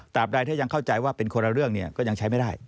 ใดถ้ายังเข้าใจว่าเป็นคนละเรื่องก็ยังใช้ไม่ได้